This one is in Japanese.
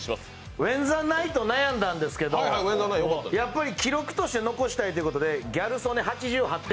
ウェンザナイと悩んだんですけどやっぱり記録として残したいということでギャル曽根８８点。